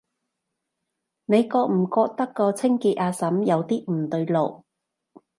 你覺唔覺個清潔阿嬸有啲唔對路？